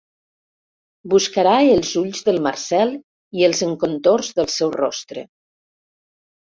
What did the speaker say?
Buscarà els ulls del Marcel i els encontorns del seu rostre.